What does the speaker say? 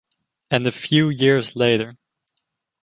and a few years later.